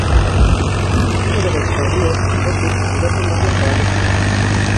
Estilo berezko horiek, ondotik, Europan barna zabaldu ziren.